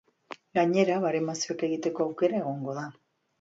Gainera, baremazioak egiteko aukera egongo da.